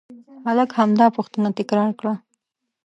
هلک همدا پوښتنه تکرار کړه.